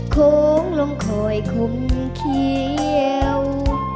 โค้งลงคอยคุมเขียว